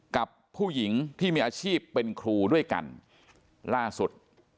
กับผู้หญิงที่มีอาชีพเป็นครูด้วยกันล่าสุด